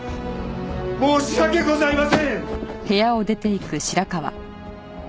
申し訳ございません！